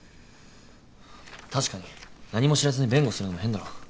確かに何も知らずに弁護するのも変だろ。